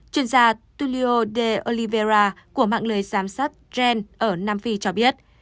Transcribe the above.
chuyên gia tulio de oliveira của mạng lời giám sát gen ở nam phi cho biết